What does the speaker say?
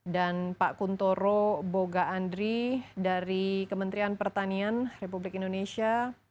dan pak kuntoro boga andri dari kementerian pertanian republik indonesia